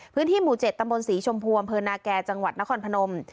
พื้นที่หมู่๗ตำบลศรีชมพวงพนจังหวัดนครพนม